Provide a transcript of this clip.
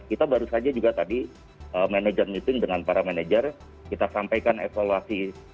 kita baru saja juga tadi manajer meeting dengan para manajer kita sampaikan evaluasi